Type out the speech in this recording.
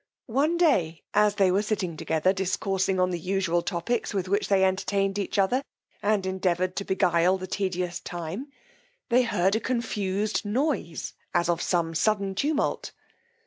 One day as they were sitting together, discoursing on the usual topics with which they entertained each other, and endeavoured to beguile the tedious time, they heard a confused noise as of some sudden tumult.